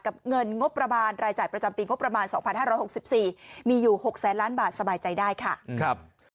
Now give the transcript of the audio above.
กับเงินรายจ่ายประจำปีงบประมาณ๒๕๖๔มีอยู่๖๐๐ล้านบาทสบายใจได้ค่ะ